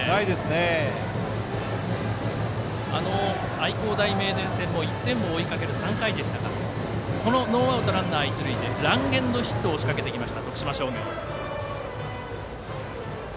愛工大名電戦も１点を追いかける３回でこのノーアウトランナー、一塁でランエンドヒットを仕掛けてきました徳島商業。